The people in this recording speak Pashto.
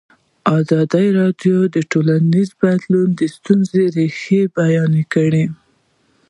ازادي راډیو د ټولنیز بدلون د ستونزو رېښه بیان کړې.